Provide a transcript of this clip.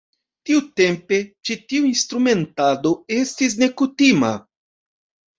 Tiutempe ĉi tiu instrumentado estis nekutima.